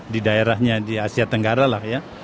di daerahnya di asia tenggara